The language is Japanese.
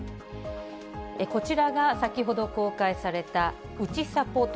こちらが先ほど公開された、うちさぽ